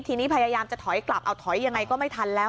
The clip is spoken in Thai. ทีนี้พยายามจะถอยกลับเอาถอยยังไงก็ไม่ทันแล้ว